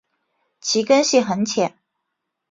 其根系很浅。